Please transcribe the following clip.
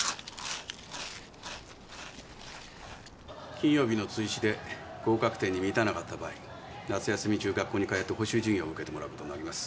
金曜日の追試で合格点に満たなかった場合夏休み中学校に通って補習授業を受けてもらうことになります。